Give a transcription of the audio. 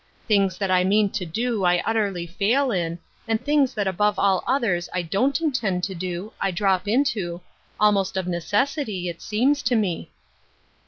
Things that I mean to do I utterly fail in, and things that above all others I don't intend to do I drop into, almost of necessity, it seems to me."